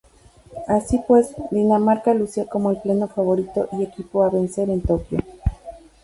Así pues, Dinamarca lucía como el pleno favorito y equipo a vencer en Tokyo.